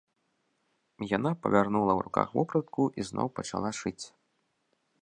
Яна павярнула ў руках вопратку і зноў пачала шыць.